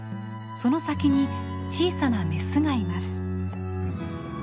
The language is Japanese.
その先に小さなメスがいます。